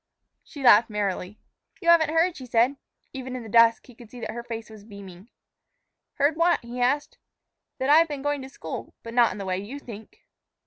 She laughed merrily. "You haven't heard," she said. Even in the dusk he could see that her face was beaming. "Heard what?" he asked. "That I've been going to school, but not in the way you think."